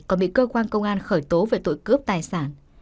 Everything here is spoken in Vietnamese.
còn bị cơ quan công an khởi tố về tội cướp tài sản